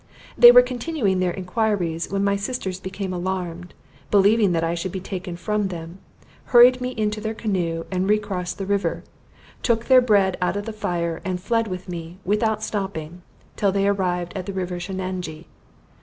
They were continuing their inquiries, when my sisters became alarmed, believing that I should be taken from them, hurried me into their canoe and recrossed the river took their bread out of the fire and fled with me, without stopping, till they arrived at the river Shenanjee.